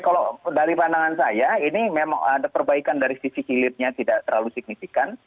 kalau dari pandangan saya ini memang ada perbaikan dari sisi hilirnya tidak terlalu signifikan